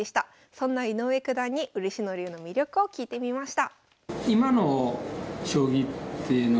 そんな井上九段に嬉野流の魅力を聞いてみました。